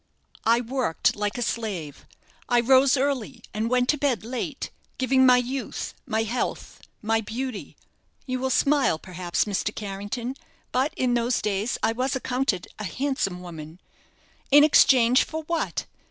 "I worked like a slave. I rose early, and went to bed late, giving my youth, my health, my beauty you will smile, perhaps, Mr. Carrington, but in those days I was accounted a handsome woman in exchange for what?